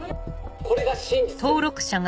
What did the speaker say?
これが真実です。